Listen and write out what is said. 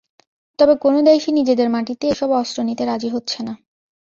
তবে কোনো দেশই নিজেদের মাটিতে এসব অস্ত্র নিতে রাজি হচ্ছে না।